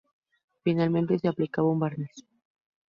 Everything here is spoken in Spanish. Finalmente se aplicaba un barniz.